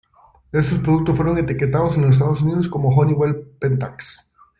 Estos productos fueron etiquetados en los Estados Unidos como Honeywell Pentax.